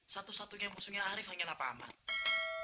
satu satunya musuhnya arif hanyalah pak ahmad